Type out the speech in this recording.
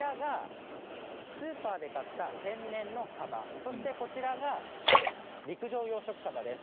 スーパーで買った天然のサバそして左側が陸上養殖サバです。